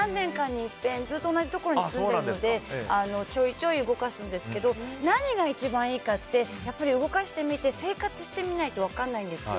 ずっと同じところに住んでいるので何年かに１回ちょいちょい動かすんですけど何が一番いいかってやっぱり、動かしてみて生活してみないと分からないんですよ。